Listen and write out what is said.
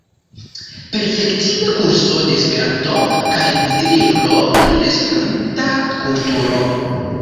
Perfektiga kurso de Esperanto kaj Gvidlibro pri la Esperanta kulturo.